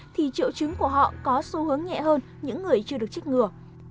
thì triệu chứng của họ có xu hướng nhẹ hơn những người chưa được trích ngừa